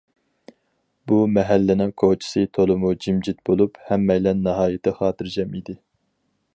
بۇ مەھەللىنىڭ كېچىسى تولىمۇ جىمجىت بولۇپ، ھەممەيلەن ناھايىتى خاتىرجەم ئىدى.